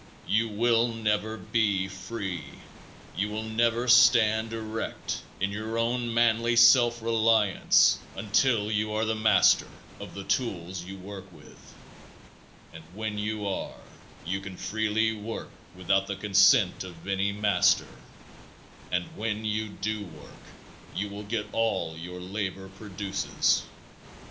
You will never be free, you will never stand erect in your own manly self reliance until you are the master of the tools you work with, and when you are you can freely work without the consent of any master, and when you do work you will get all your labor produces.